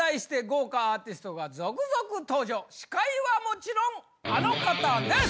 司会はもちろんあの方です！